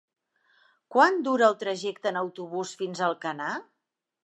Quant dura el trajecte en autobús fins a Alcanar?